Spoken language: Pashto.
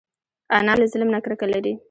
انا له ظلم نه کرکه لري